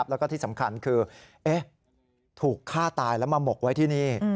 แล้วก็ที่สำคัญคือถูกฆ่าตายแล้วมาหมกไว้ที่นี่